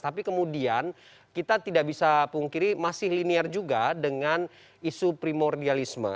tapi kemudian kita tidak bisa pungkiri masih linear juga dengan isu primordialisme